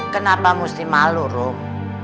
kenapa mesti malu rum